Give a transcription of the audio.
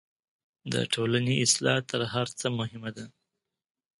د ټولني اصلاح تر هر څه مهمه ده.